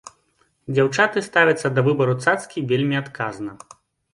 Дзяўчаты ставяцца да выбару цацкі вельмі адказна.